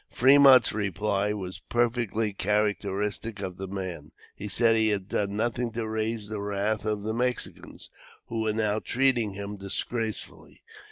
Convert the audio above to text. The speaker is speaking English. Fremont's reply was perfectly characteristic of the man; he said he had done nothing to raise the wrath of the Mexicans, who were now treating him disgracefully.